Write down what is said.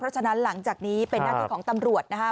เพราะฉะนั้นหลังจากนี้เป็นหน้าที่ของตำรวจนะคะ